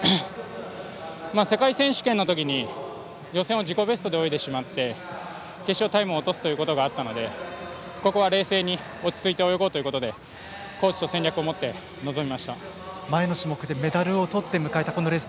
世界選手権のときに予選を自己ベストで泳いでしまって、決勝でタイムを落とすということがあったのでここは冷静に落ち着いて泳ごうということでコーチと戦略を練って臨みました。